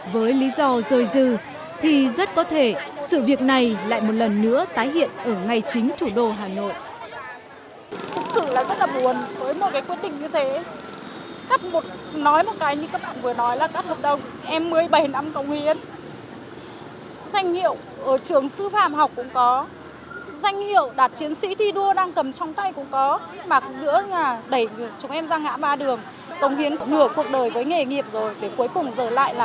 với lý do rơi dư thì rất có thể sự việc này lại một lần nữa tái hiện ở ngay chính thủ đô hà nội